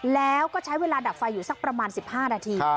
แล้วก็ใช้เวลาดับไฟอยู่สักประมาณ๑๕นาที